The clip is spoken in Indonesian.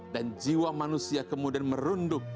dan jiwa manusia kemudian merunduk